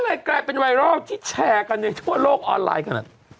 เลยกลายเป็นไวรัลที่แชร์กันในทั่วโลกออนไลน์ขนาด